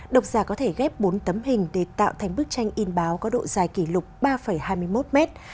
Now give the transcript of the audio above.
độc giả có thể ghép bốn tấm hình để tạo thành bức tranh in báo có độ dài kỷ lục ba hai mươi một mét